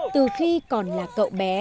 từ khi còn là cậu bé